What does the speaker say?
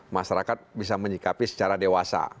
masyarakat bisa menyikapi secara dewasa